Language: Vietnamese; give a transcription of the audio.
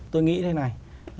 tôi nghĩ thế này